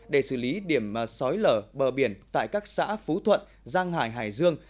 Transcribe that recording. để xử lý điểm xói lở bờ biển tại các xã phú thuận giang hải hải dương